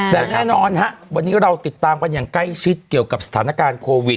แต่แน่นอนฮะวันนี้เราติดตามกันอย่างใกล้ชิดเกี่ยวกับสถานการณ์โควิด